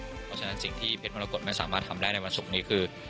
เพราะฉะนั้นสิ่งที่เพชรมรกฏไม่สามารถทำได้ในวันศุกร์นี้คือ